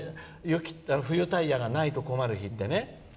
冬タイヤがないと困る日って。